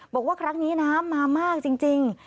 บอกว่าครั้งนี้น้ำมามากจริง